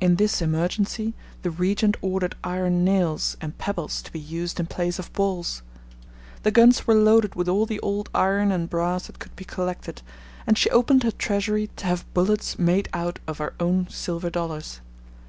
In this emergency the regent ordered iron nails and pebbles to be used in place of balls. The guns were loaded with all the old iron and brass that could be collected, and she opened her treasury to have bullets made out of her own silver dollars.